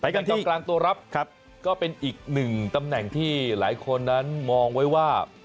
การตัวรับก็เป็นอีกหนึ่งตำแหน่งที่หลายคนนั้นมองไว้ว่า